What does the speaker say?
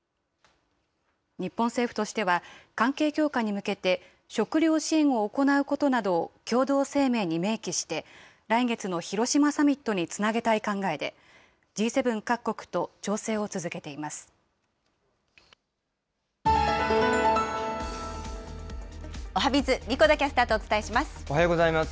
日本政府としては、関係強化に向けて、食料支援を行うことなど共同声明に明記して、来月の広島サミットにつなげたい考えで、Ｇ７おはＢｉｚ、おはようございます。